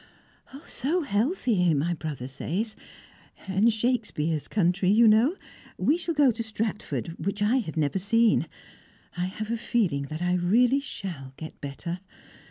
"So healthy, my brother says! And Shakespeare's country, you know; we shall go to Stratford, which I have never seen. I have a feeling that I really shall get better.